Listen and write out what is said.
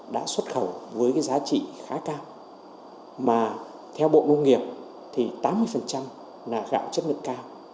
đã xuất khẩu với cái giá trị khá cao mà theo bộ nông nghiệp thì tám mươi là gạo chất lượng cao